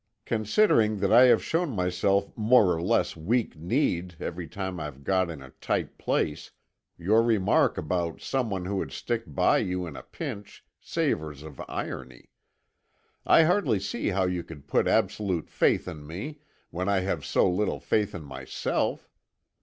"Considering that I have shown myself more or less weak kneed every time I've got in a tight place, your remark about some one who would stick by you in a pinch savors of irony. I hardly see how you could put absolute faith in me, when I have so little faith in myself.